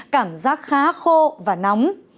cảm giác khá khô và nóng